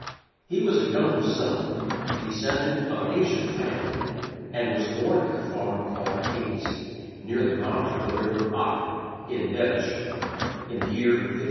He was a younger son, descended of an ancient family, and was born at a farm called Hayes, near the mouth of the river Otter, in Devonshire, in the year 1552.